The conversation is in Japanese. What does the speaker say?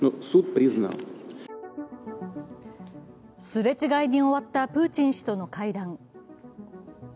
すれ違いに終わったプーチン氏との会談。